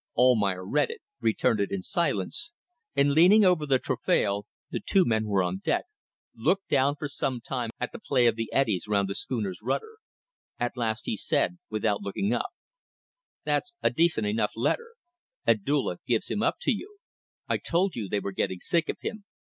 Almayer read it, returned it in silence, and leaning over the taffrail (the two men were on deck) looked down for some time at the play of the eddies round the schooner's rudder. At last he said without looking up "That's a decent enough letter. Abdulla gives him up to you. I told you they were getting sick of him.